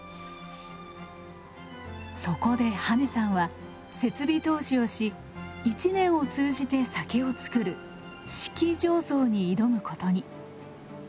そこで羽根さんは設備投資をし１年を通じて酒を造る「四季醸造」に挑むことに。